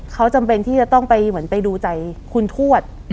เขาจำเป็นที่จะต้องไปเหมือนไปดูใจคุณทวด